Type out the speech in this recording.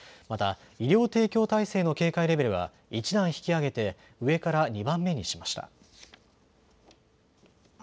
また医療提供体制の警戒レベルは１段引き上げて上から２番目にしました。